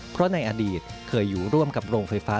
เพราะในอดีตเคยอยู่ร่วมกับโรงไฟฟ้า